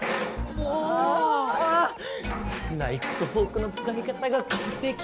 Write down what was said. あナイフとフォークの使い方がかんぺき！